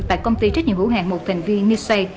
tại công ty trách nhiệm hữu hạng một thành viên nica